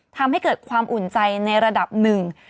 ทำให้เกิดความอุ่นใจในระดับหนึ่ง